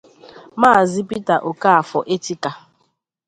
Maazị Peter Okafor Etika